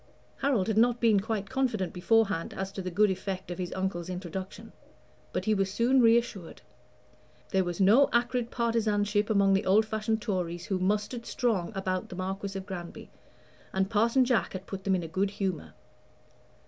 Harold had not been quite confident beforehand as to the good effect of his uncle's introduction; but he was soon reassured. There was no acrid partisanship among the old fashioned Tories who mustered strong about the Marquis of Granby, and Parson Jack had put them in a good humor.